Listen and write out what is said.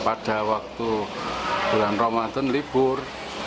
pada waktu bulan ramadan libur